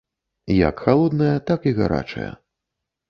Як халодная, так і гарачая.